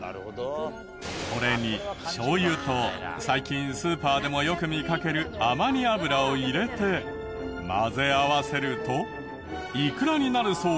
これにしょう油と最近スーパーでもよく見かける亜麻仁油を入れて混ぜ合わせるとイクラになるそうだが。